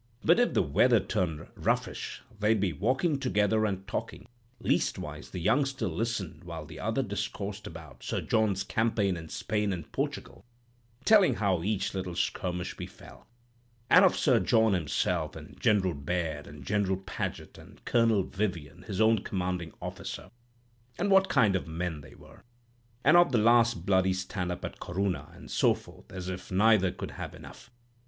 But if the weather turned roughish, they'd be walking together and talking; leastwise the youngster listened while the other discoursed about Sir John's campaign in Spain and Portugal, telling how each little skirmish befell; and of Sir John himself, and General Baird, and General Paget, and Colonel Vivian, his own commanding officer, and what kind of men they were; and of the last bloody stand up at Corunna, and so forth, as if neither could have enough.